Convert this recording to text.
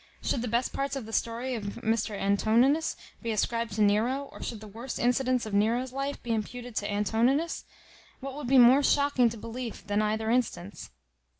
Should the best parts of the story of M. Antoninus be ascribed to Nero, or should the worst incidents of Nero's life be imputed to Antoninus, what would be more shocking to belief than either instance?